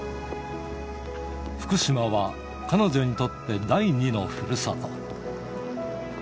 福島は、彼女にとって第２のふるさと。